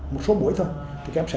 một số buổi thôi thì các em sẽ